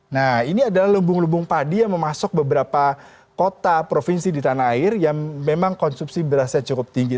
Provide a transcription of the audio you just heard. nah ini adalah lubung lubung padi yang memasuk beberapa kota provinsi di tanah air yang memang konsumsi berasnya cukup tinggi